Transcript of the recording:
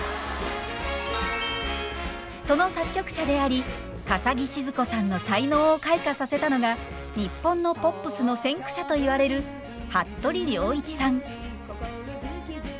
その作曲者であり笠置シヅ子さんの才能を開花させたのが日本のポップスの先駆者といわれる服部良一さん。